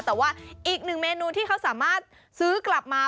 แต่ว่าอีกหนึ่งเมนูที่เขาสามารถซื้อกลับมา